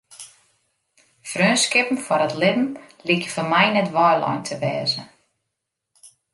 Freonskippen foar it libben lykje foar my net weilein te wêze.